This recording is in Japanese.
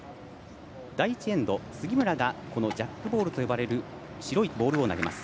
第１エンド、杉村がジャックボールと呼ばれる白いボールを投げます。